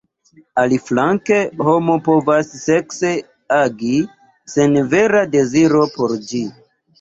Aliflanke, homo povas sekse agi sen vera deziro por ĝi.